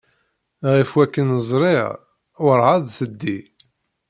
Ɣef wakken ẓriɣ, werɛad teddi.